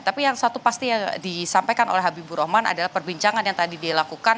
tapi yang satu pasti yang disampaikan oleh habibur rahman adalah perbincangan yang tadi dilakukan